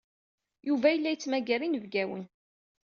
Yuba yella yettmagar inebgawen.